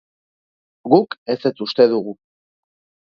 Guk ezetz uste dugu.